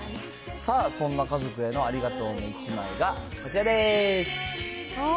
さあ、そんな家族へのありがとうの１枚がこちらです。